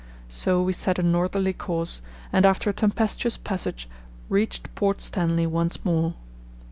So we set a northerly course, and after a tempestuous passage reached Port Stanley once more.